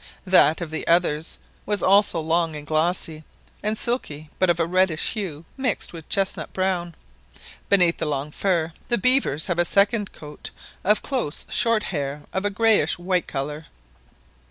That of the others was also long, glossy, and silky, but of a reddish hue mixed with chestnut brown. Beneath the long fur, the beavers have a second coat of close short hair of a greyish white colour.